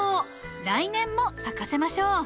来年も咲かせましょう。